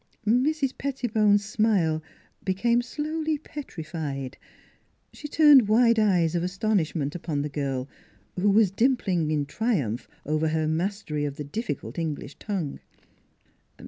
Mrs. Pettibone's smile became slowly petrified. She turned wide eyes of astonishment upon the girl, who was dimpling with triumph over her mastery of the difficult English tongue.